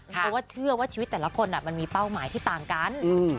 เพราะว่าเชื่อว่าชีวิตแต่ละคนมันมีเป้าหมายที่ต่างกัน